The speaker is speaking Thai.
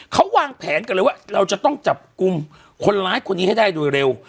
เขาวางแผนกันเลยว่าเราจะต้องจับกลุ่มคนร้ายคนนี้ให้ได้โดยเร็ว